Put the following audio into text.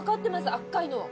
赤いの。